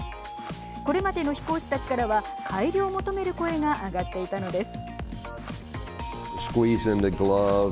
これまでの飛行士たちからは改良を求める声が上がっていたのです。